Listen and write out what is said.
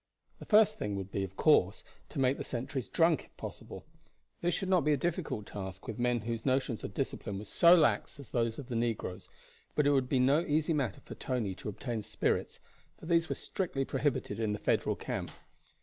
The first thing would be, of course, to make the sentries drunk if possible. This should not be a difficult task with men whose notions of discipline were so lax as those of the negroes; but it would be no easy matter for Tony to obtain spirits, for these were strictly prohibited in the Federal camp.